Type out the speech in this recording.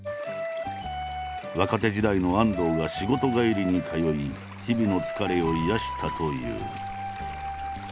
若手時代の安藤が仕事帰りに通い日々の疲れを癒やしたという。